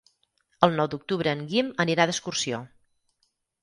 El nou d'octubre en Guim anirà d'excursió.